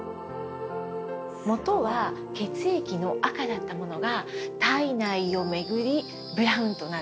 元は血液の赤だったものが体内を巡りブラウンとなる。